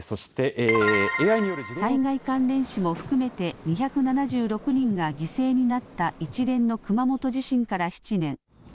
災害関連死も含めて２７６人が犠牲になった一連の熊本地震から７年。